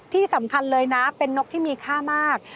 ที่สำคัญเลยนะเป็นนกที่มีค่ามาก